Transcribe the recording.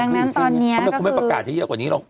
ดังนั้นตอนนี้ก็คือ